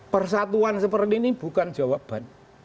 persatuan seperti ini bukan jawaban